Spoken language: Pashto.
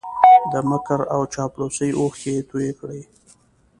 د مکر او چاپلوسۍ اوښکې یې توی کړې